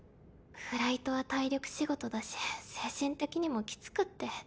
フライトは体力仕事だし精神的にもきつくって。